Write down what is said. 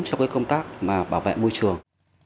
trong công tác bảo vệ môi trường